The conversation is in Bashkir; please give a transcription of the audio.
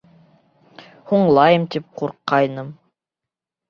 Һуңлайым тип ҡурҡҡайным.